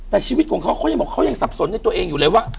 แต่ชีวิตของเขาเขายังบอกเขายังสับสนในตัวเองอยู่เลยว่า